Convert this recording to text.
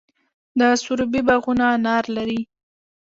د سروبي باغونه انار لري.